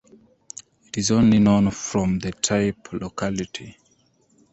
It is only known from the type locality.